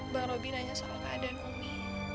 bang robi nanya soal keadaan ummi